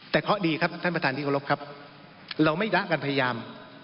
แต่เคราะห์ดีครับท่านประธานที่เคารพครับเราไม่ดะกันพยายาม